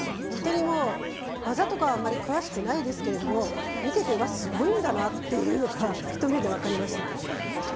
本当に、技とかあまり詳しくないですけど見てて、すごいんだなというのが一目で分かりました。